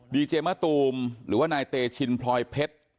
ดีเจมะตูมหรือว่านายเตชินพลอยเพชร